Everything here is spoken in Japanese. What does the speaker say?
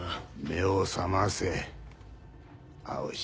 目を覚ませ蒼紫。